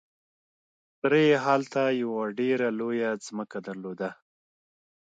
تره يې هلته يوه ډېره لويه ځمکه درلوده.